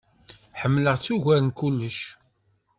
Ḥemleɣ-tt ugar n kullec.